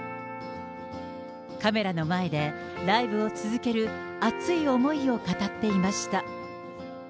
カメラの前で、ライブを続ける熱い思いを語っていました。